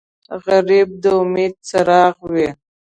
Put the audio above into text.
غریب د امید څراغ وي